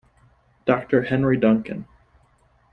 Doctor Henry Duncan.